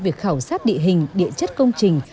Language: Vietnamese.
việc khảo sát địa hình địa chất công trình